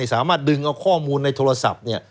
สามารถดึงเอาข้อมูลในโทรศัพท์